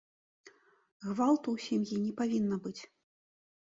Гвалту ў сям'і не павінна быць.